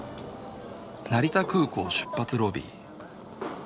成田空港出発ロビー。